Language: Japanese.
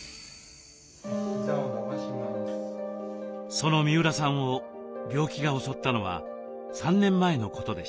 その三浦さんを病気が襲ったのは３年前のことでした。